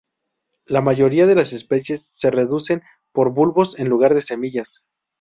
La mayoría de las especies se reproducen por bulbos en lugar de semillas.